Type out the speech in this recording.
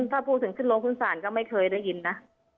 ถ้าพูดถึงขึ้นโรงขึ้นศาลก็ไม่เคยได้ยินนะ